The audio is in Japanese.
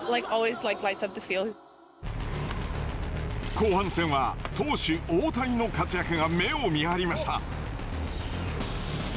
後半戦は投手大谷の活躍が目をみはりました。